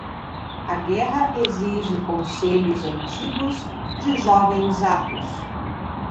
A guerra exige conselhos antigos de jovens atos.